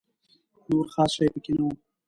نور خاص شی په کې نه و.